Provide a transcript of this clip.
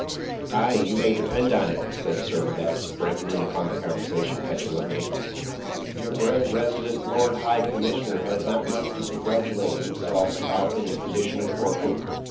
"Ay, you may depend upon it," said Servadac, breaking in upon the conversation petulantly, "your grand resident lord high commissioner has not much to congratulate himself about in the condition of Corfu."